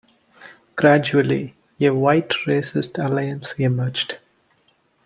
Gradually, a White racist alliance emerged.